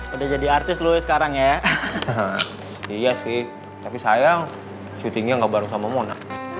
udah jadi artis lo sekarang ya iya sih tapi sayang syutingnya gak bareng sama mona